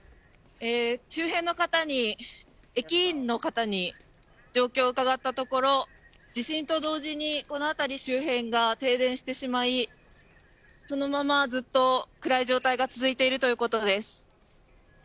周辺の方に駅員の方に状況を伺ったところ地震と同時にこの辺り周辺が停電してしまいそのままずっと暗い状態が続いているということです。